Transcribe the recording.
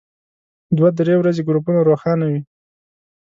دوه درې ورځې ګروپونه روښانه وي.